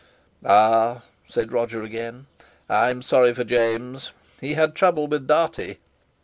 "Ah!" said Roger again; "I'm sorry for James; he had trouble with Dartie."